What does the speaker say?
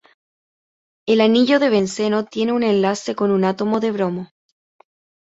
El anillo de benceno tiene un enlace con un átomo de bromo.